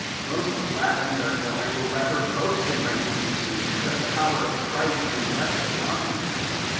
^ Most gladly therefore I will rather boast in my weaknesses, that the power of Christ may rest upon me.